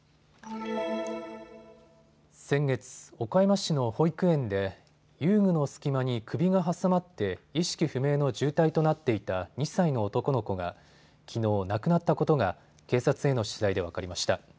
先月、岡山市の保育園で遊具の隙間に首が挟まって意識不明の重体となっていた２歳の男の子がきのう亡くなったことが警察への取材で分かりました。